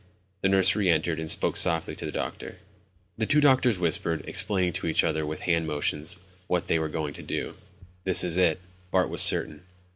The nurse reentered and spoke softly to the doctor. The two doctors whispered, explaining to each other with hand motions what they were going to do. This is it. Bart was certain.